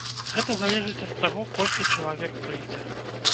Гэта залежыць ад таго, колькі чалавек прыйдзе.